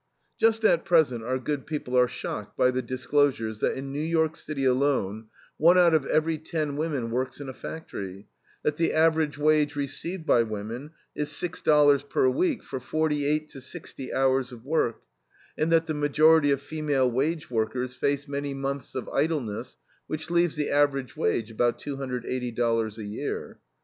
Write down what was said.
Just at present our good people are shocked by the disclosures that in New York City alone, one out of every ten women works in a factory, that the average wage received by women is six dollars per week for forty eight to sixty hours of work, and that the majority of female wage workers face many months of idleness which leaves the average wage about $280 a year.